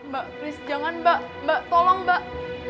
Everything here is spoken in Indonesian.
mbak chris jangan mbak mbak tolong mbak